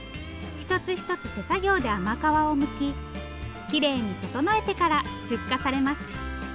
一つ一つ手作業で甘皮をむききれいに整えてから出荷されます。